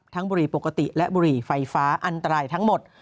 บุรีปกติและบุหรี่ไฟฟ้าอันตรายทั้งหมด